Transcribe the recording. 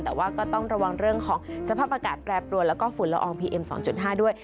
แต่ว่าก็ต้องระวังเรื่องของสภาพอากาศแปรปรวนแล้วก็ฝุ่นละอองพีเอ็ม๒๕ด้วย